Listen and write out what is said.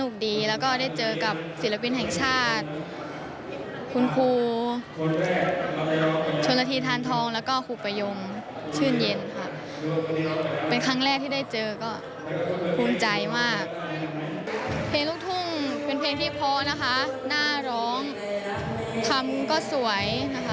เพลงลูกทุ่งเป็นเพลงที่พอน่าร้องทำก็สวย